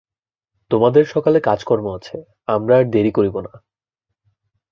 তোমাদের সকালে কাজকর্ম আছে, আমরা আর দেরি করিব না।